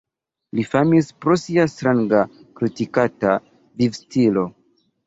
Li famis pro sia stranga -kritikata- vivstilo.